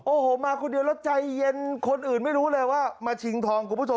โอ้โหมาคนเดียวแล้วใจเย็นคนอื่นไม่รู้เลยว่ามาชิงทองคุณผู้ชม